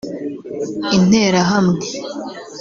Interahamwe